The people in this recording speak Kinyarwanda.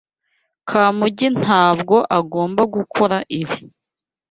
Kamugi ntabwo agomba gukora ibi.